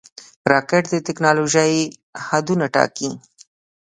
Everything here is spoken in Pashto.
راکټ د ټېکنالوژۍ حدونه ټاکي